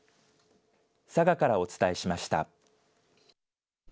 佐賀からお伝えしました。